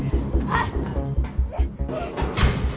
あっ！